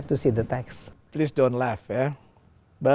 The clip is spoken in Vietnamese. tôi là vu